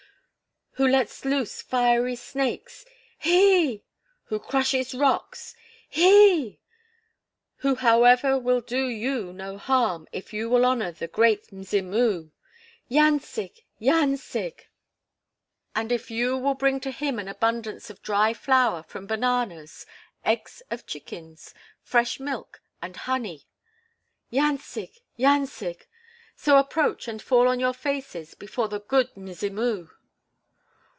"Who lets loose fiery snakes " "He!" "Who crushes rocks " "He!" "Who, however, will do you no harm, if you will honor the 'Good Mzimu.'" "Yancig! Yancig!" "And if you will bring to him an abundance of dry flour from bananas, eggs of chickens, fresh milk, and honey." "Yancig! Yancig!" "So approach and fall on your faces before the 'Good Mzimu!'"